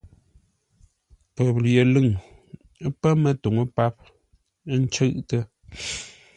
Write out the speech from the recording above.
Pəyəlʉ̂ŋ pə̂ mətuŋú páp, ə́ ncʉʼtə́.